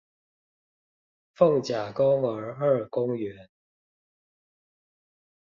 鳳甲公兒二公園